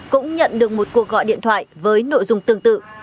cũng nhận được một cuộc gọi điện thoại với nội dung tương tự